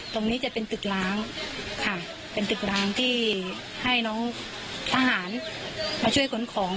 ตรงนี้จะเป็นตึกล้างค่ะเป็นตึกล้างที่ให้น้องทหารมาช่วยขนของ